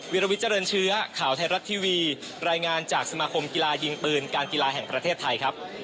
วิลวิเจริญเชื้อข่าวไทยรัฐทีวีรายงานจากสมาคมกีฬายิงปืนการกีฬาแห่งประเทศไทยครับ